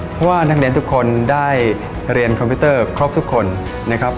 เพราะว่านักเรียนทุกคนได้เรียนคอมพิวเตอร์ครบทุกคนนะครับ